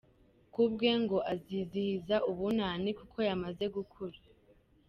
Ku bwe ngo azizihiza ubunani kuko yamaze gukura.